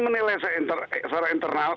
menilai secara internal